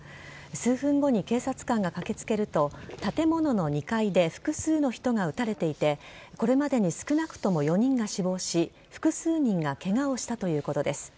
数分後に警察官が駆けつけると建物の２階で複数の人が撃たれていてこれまでに少なくとも４人が死亡し複数人がケガをしたということです。